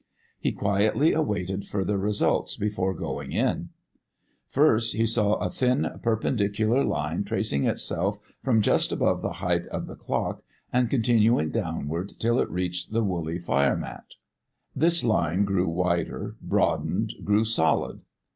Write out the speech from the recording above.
He quietly awaited further results before going in. First he saw a thin perpendicular line tracing itself from just above the height of the clock and continuing downwards till it reached the woolly fire mat. This line grew wider, broadened, grew solid.